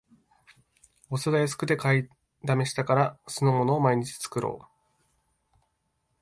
お酢が安くて買いだめしたから、酢の物を毎日作ろう